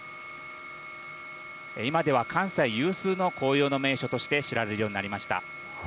今では関西有数の紅葉の名所として知られるようになりました。